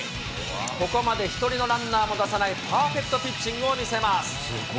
ここまで１人のランナーも出さないパーフェクトピッチングを見せます。